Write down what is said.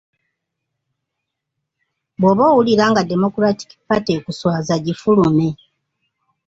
Bw'oba owulira nga Democratic Party ekuswaza, gifulume.